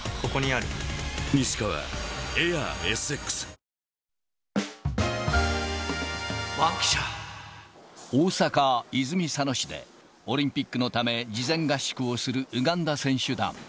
そんな中、大阪・泉佐野市で、オリンピックのため、事前合宿をするウガンダ選手団。